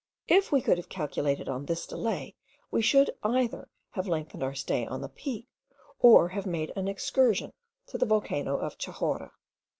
If we could have calculated on this delay, we should either have lengthened our stay on the Peak,* or have made an excursion to the volcano of Chahorra.